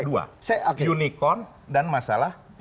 dua unicorn dan masalah